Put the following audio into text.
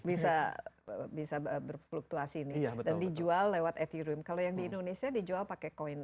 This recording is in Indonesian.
bisa bisa berfluktuasi ini dan dijual lewat etherium kalau yang di indonesia dijual pakai koin